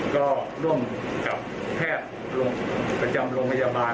ก็ร่วมกับแพทย์ประจำโรงพยาบาล